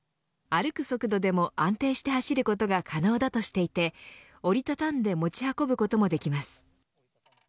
歩く速度でも安定して走ることが可能だとしていて折り畳んで持ち運ぶこともできます。